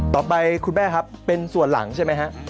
ต่อไปคุณแม่ครับเป็นส่วนหลังใช่ไหมฮะ